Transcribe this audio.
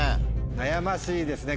悩ましいですね